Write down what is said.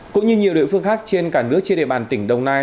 cũng như nhiều địa phương khác trên cả nước trên địa bàn tỉnh đồng nai